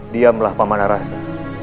diamlah paman arasa